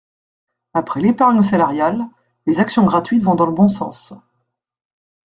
Après l’épargne salariale, les actions gratuites vont dans le bon sens.